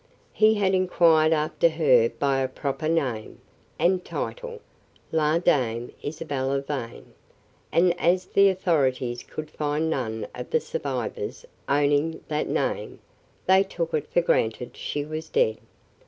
He had inquired after her by her proper name, and title, "La Dame Isabelle Vane," and as the authorities could find none of the survivors owning that name, they took it for granted she was dead.